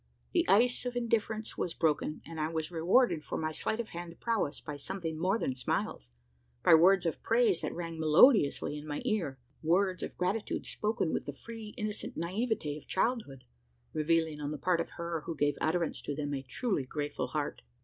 The ice of indifference was broken; and I was rewarded for my sleight of hand prowess by something more than smiles by words of praise that rang melodiously in my ear words of gratitude spoken with the free innocent naivete of childhood revealing, on the part of her who gave utterance to them, a truly grateful heart.